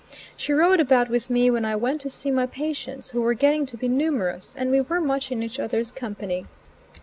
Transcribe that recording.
She rode about with me when I went to see my patients, who were getting to be numerous, and we were much in each other's company.